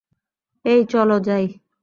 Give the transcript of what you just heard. এই চল যাই!